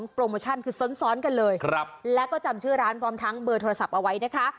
โปรโมชั่นคือซ้อนกันเลยแล้วก็จำชื่อร้านพร้อมทั้งเบอร์โทรศัพท์เอาไว้นะคะ